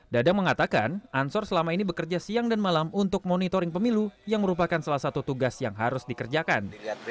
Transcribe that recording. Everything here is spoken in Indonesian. dadang mengatakan ansor selama ini bekerja siang dan malam untuk monitoring pemilu yang merupakan salah satu tugas yang harus dikerjakan